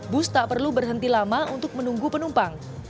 bus tak perlu berhenti lama untuk menunggu penumpang